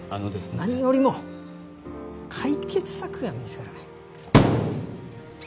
何よりも解決策が見つからない